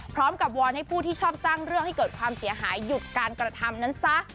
วอนให้ผู้ที่ชอบสร้างเรื่องให้เกิดความเสียหายหยุดการกระทำนั้นซะ